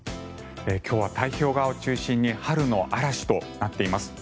今日は太平洋側を中心に春の嵐となっています。